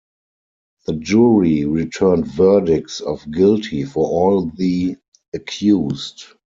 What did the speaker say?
The jury returned verdicts of guilty for all of the accused.